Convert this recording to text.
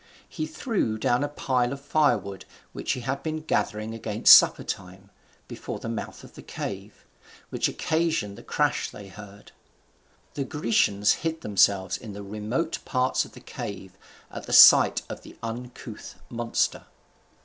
He threw down a pile of fire wood, which he had been gathering against supper time, before the mouth of the cave, which occasioned the crash they heard. The Grecians hid themselves in the remote parts of the cave at sight of the uncouth monster.